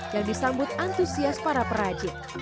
yang disambut antusias para perajin